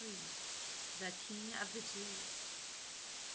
THE KING OF THE JEWS.